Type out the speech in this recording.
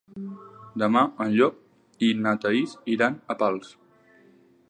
Demà en Llop i na Thaís iran a Pals.